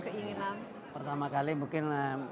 keinginan pertama kali mungkin